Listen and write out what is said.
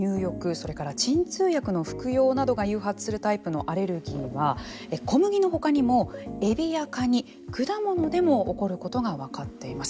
それから鎮痛薬の服用などが誘発するタイプのアレルギーは小麦のほかにも、エビやカニ果物でも起こることが分かっています。